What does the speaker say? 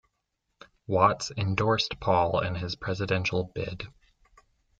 Watts endorsed Paul in his presidential bid.